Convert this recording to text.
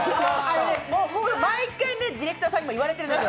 ほぼ毎回、ディレクターさんにも言われてるんですよ。